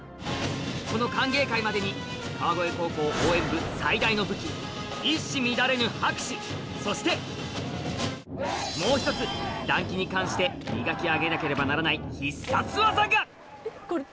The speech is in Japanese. この歓迎会までに川越高校応援部最大の武器そしてもう一つ団旗に関して磨き上げなければならない必殺技が！